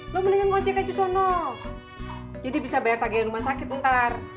lu mendingan ngonjek aja sana